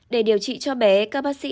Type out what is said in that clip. để điều trị cho bé các bác sĩ